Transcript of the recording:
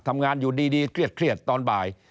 ทำงานอยู่ดีเครียดตอนบ่าย